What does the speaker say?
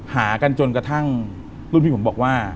หากันจนกระทั่งรุ่นพี่ผมบอกว่า